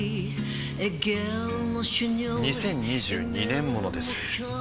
２０２２年モノです